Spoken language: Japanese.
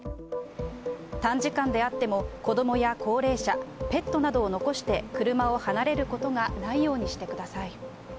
短時間であっても、子どもや高齢者、ペットなどを残して車を離れることがないようにしてください。